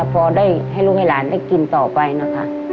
พอได้ให้ลูกให้หลานได้กินต่อไปนะคะ